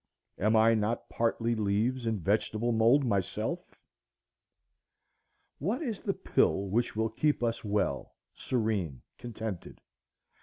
Am I not partly leaves and vegetable mould myself? What is the pill which will keep us well, serene, contented?